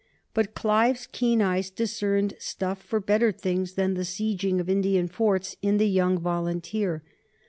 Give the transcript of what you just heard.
But Clive's keen eyes discerned stuff for better things than the sieging of Indian forts in the young volunteer.